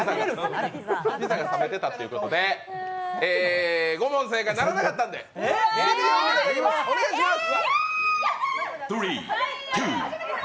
ピザが冷めていたということで５問正解ならなかったのでビリビリ、お願いします。